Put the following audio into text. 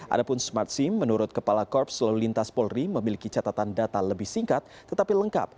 ada pun smart sim menurut kepala korps lalu lintas polri memiliki catatan data lebih singkat tetapi lengkap